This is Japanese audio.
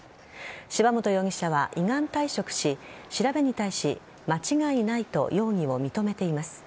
柴本容疑者は依願退職し調べに対し間違いないと容疑を認めています。